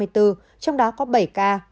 trong đó có bảy ca